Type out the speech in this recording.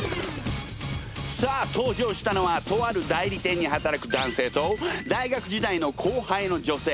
さあ登場したのはとある代理店に働く男性と大学時代の後輩の女性。